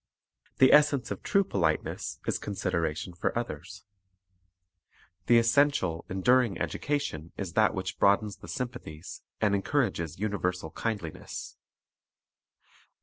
The essence of true politeness is consideration for others. The essential, enduring education is that which broadens the sympathies and encourages universal kind liness.